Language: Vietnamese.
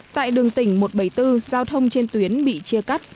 tại đường tỉnh một trăm bảy mươi bốn giao thông trên tuyến bị chia cắt